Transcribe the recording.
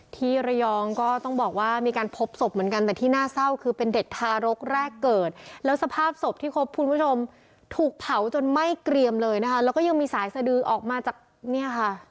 ที่ระยองก็ต้องบอกว่ามีการพบศพเหมือนกันแต่ที่น่าเศร้าคือเป็นเด็กทารกแรกเกิดแล้วสภาพศพที่พบคุณผู้ชมถูกเผาจนไหม้เกรียมเลยนะคะแล้วก็ยังมีสายสดือออกมาจากเนี่ยค่ะ